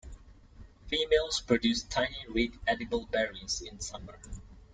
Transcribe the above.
Females produce tiny, red, edible berries in summer.